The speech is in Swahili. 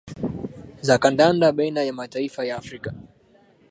za kandanda baina ya mataifa ya afrika